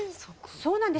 そうなんです。